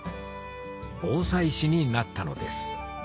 防災士になったのです